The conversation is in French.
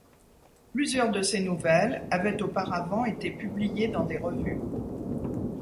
Plusieurs de ces nouvelles avaient été auparavant été publiées dans des revues.